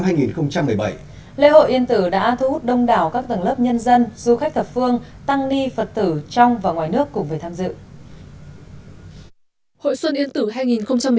lễ hội yên tử đã thu hút đông đảo các tầng lớp nhân dân du khách thập phương tăng ni phật tử trong và ngoài nước cùng về tham dự